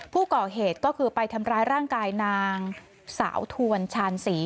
ผู้ก่อเหตุก็คือไปทำร้ายร่างกายนางสาวทวนชาญศรี